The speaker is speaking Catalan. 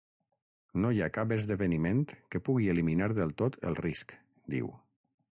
“No hi ha cap esdeveniment que pugui eliminar del tot el risc”, diu.